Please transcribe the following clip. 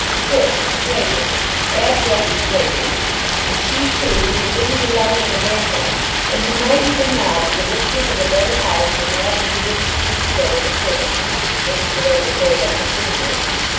This was slavery; abject slavery. And she too, who had been the beloved of a baronet, and who might even now be the mistress of a better house than that into which she was to go as a servant, if she would only hold up her finger!